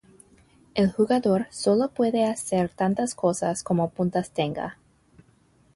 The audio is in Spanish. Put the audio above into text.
El jugador sólo puede hacer tantas cosas como puntos tenga.